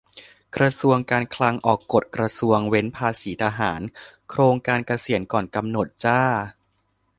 กระทรวงการคลัง ออกกฎกระทรวงเว้นภาษีทหาร 'โครงการเกษียณก่อนกำหนด' จร้า